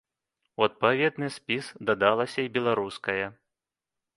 У адпаведны спіс дадалася і беларуская.